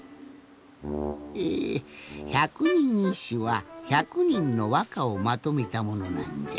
ええひゃくにんいっしゅはひゃくにんのわかをまとめたものなんじゃ。